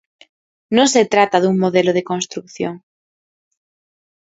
Non se trata dun modelo de construción.